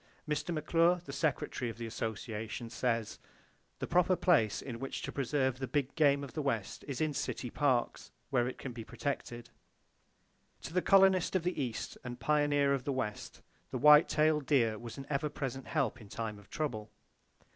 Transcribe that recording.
Mr. McClure, the Secretary of the Association says: "The proper place in which to preserve the big game of the West is in city parks, where it can be protected." [Page 3] To the colonist of the East and pioneer of the West, the white tailed deer was an ever present help in time of trouble.